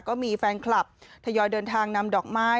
ก็มีแฟนคลับทยอยเดินทางนำดอกไม้